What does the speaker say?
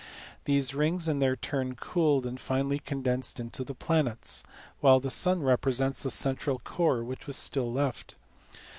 These rings in their turn cooled, and finally condensed into the planets, while the sun represents the central core which is still left.